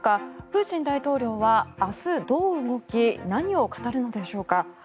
プーチン大統領は明日、どう動き何を語るのでしょうか。